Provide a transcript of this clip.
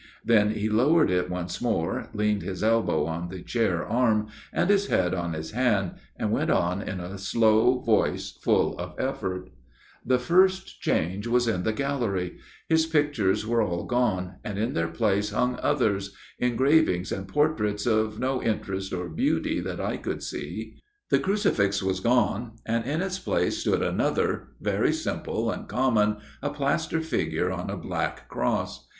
Then he lowered it once more, leaned his elbow on the chair arm, and his head on his hand, and went on in a slow voice full of effort :" The first change was in the gallery ; his pictures were all gone, and in their place hung others engravings and portraits of no interest or beauty that I could see. The crucifix was gone, and in its place stood another very simple and common a plaster figure on a black cross.